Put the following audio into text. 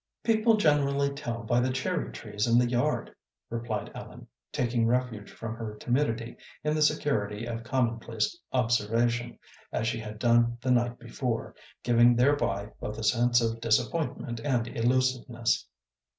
"People generally tell by the cherry trees in the yard," replied Ellen, taking refuge from her timidity in the security of commonplace observation, as she had done the night before, giving thereby both a sense of disappointment and elusiveness.